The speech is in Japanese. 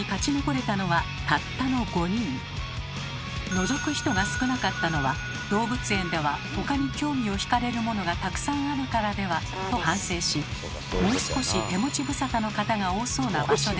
のぞく人が少なかったのは動物園では他に興味をひかれるものがたくさんあるからでは？と反省しもう少し手持ち無沙汰の方が多そうな場所でウォッチング。